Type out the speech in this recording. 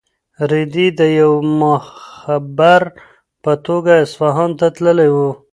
رېدی د یو مخبر په توګه اصفهان ته تللی و.